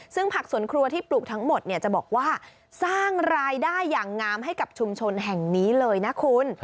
ซึ่งผักสวนครัวที่ปลูกทั้งหมดเนี่ยจะบอกว่าสร้างรายได้อย่างงามให้กับชุมชนแห่งนี้เลยนะคุณ